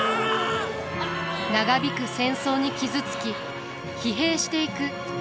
長引く戦争に傷つき疲弊していく家臣たち。